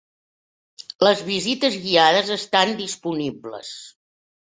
Les visites guiades estan disponibles.